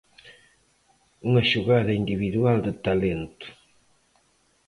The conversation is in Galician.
Unha xogada individual de talento.